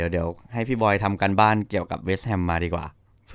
เดี๋ยวให้พี่บอยทำการบ้านเกี่ยวกับเวสแฮมมาดีกว่า